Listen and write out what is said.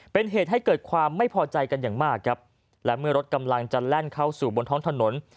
เป็นเหตุให้เกิดความไม่พอใจกันอย่างมากครับและเมื่อรถกำลังจะแล่นเข้าสู่บนท้องถนน